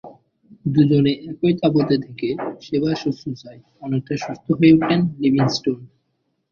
দুজনে একই তাঁবুতে থেকে, সেবা-শুশ্রূষায় অনেকটা সুস্থ হয়ে উঠলেন লিভিংস্টোন।